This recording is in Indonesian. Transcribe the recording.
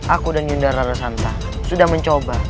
aku dan yundar radasanta sudah mencoba